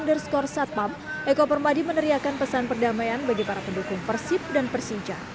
underscore satpam eko permadi meneriakan pesan perdamaian bagi para pendukung persib dan persija